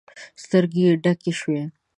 سترګې يې ډکې شوې.